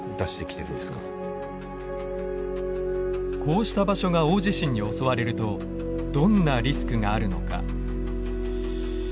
こうした場所が大地震に襲われるとどんなリスクがあるのか。